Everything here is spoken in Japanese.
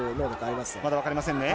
まだ分かりませんね。